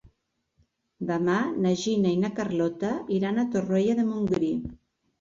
Demà na Gina i na Carlota iran a Torroella de Montgrí.